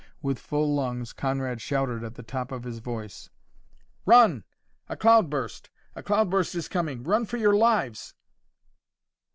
With full lungs Conrad shouted at the top of his voice: "Run! A cloudburst! A cloudburst is coming! Run for your lives!"